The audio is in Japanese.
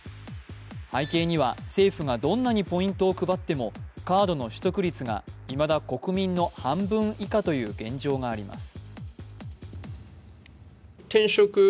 背景には、政府がどんなにポイントを配っても、カードの取得率がいまだ国民の半分以下という現状があります。